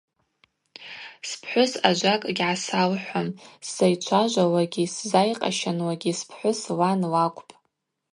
Спхӏвыс ажвакӏ гьгӏасалхӏвуам, сзайчважвауагьи сзайкъащануагьи спхӏвыс лан лакӏвпӏ.